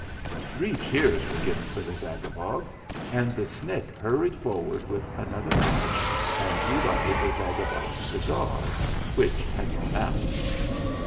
Three cheers were given for the Zagabog, and the Snick hurried forward with another match and re lighted the Zagabog's cigar, which had gone out.